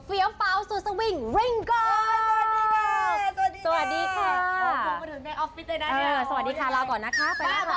ฟีลฟาวส์สวิงเรงกอลสวัสดีค่ะสวัสดีค่ะขอบคุณมาถึงแมงค์ออฟฟิตเลยนะ